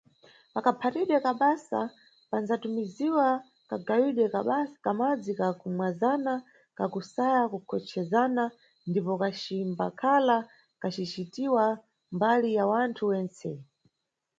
Pakaphatidwe ka basa, pandzatumbiziwa kagawidwe ka madzi ka kumwazana, ka kusaya kukonchezana ndipo kacimbakhala kacicitiwa mbali na wanthu wentse.